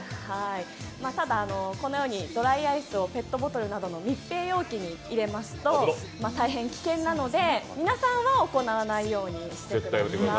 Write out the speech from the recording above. ただ、このようにドライアイスをペットボトルなどの密閉容器に入れますと大変危険なので、皆さんは行わないようにしてください。